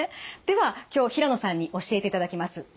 では今日平野さんに教えていただきます